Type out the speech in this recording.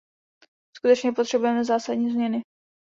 Skutečně potřebujeme zásadní změny.